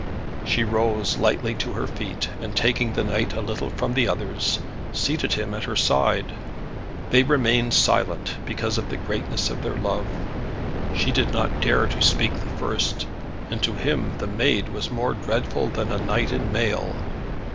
She rose lightly to her feet, and taking the knight a little from the others, seated him at her side. They remained silent, because of the greatness of their love. She did not dare to speak the first, and to him the maid was more dreadful than a knight in mail.